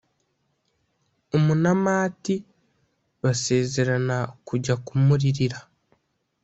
Umunāmati, basezerana kujya kumuririra